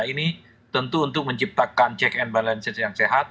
ini tentu untuk menciptakan check and balances yang sehat